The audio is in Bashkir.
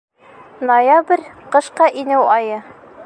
Ноябрь — ҡышҡа инеү айы.